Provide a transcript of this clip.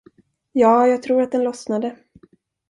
Ja, jag tror att den lossnade.